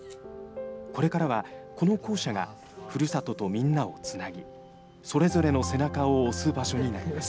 これからは、この校舎がふるさととみんなをつなぎ、それぞれの背中を押す場所になります。